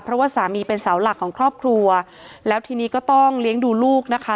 เพราะว่าสามีเป็นเสาหลักของครอบครัวแล้วทีนี้ก็ต้องเลี้ยงดูลูกนะคะ